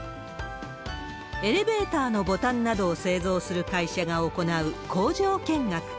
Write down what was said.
エレベーターのボタンなどを製造する会社が行う工場見学。